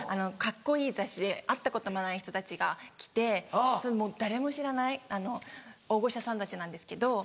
カッコいい雑誌で会ったこともない人たちが来て誰も知らない大御所さんたちなんですけど。